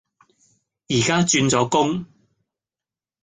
而家轉咗工